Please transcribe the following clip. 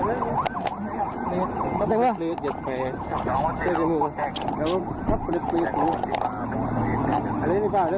อันนี้ทำไมตัดใจครับ